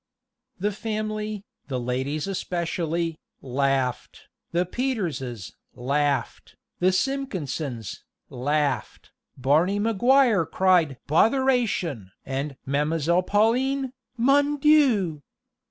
The family, the ladies especially, laughed; the Peterses laughed; the Simpkinsons laughed; Barney Maguire cried "Botheration!" and Ma'mselle Pauline, "_Mon Dieu!